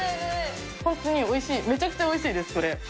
本当においしい、めちゃくちゃおいしいです、これ。